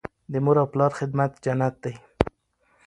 د مور او پلار خدمت جنت دی.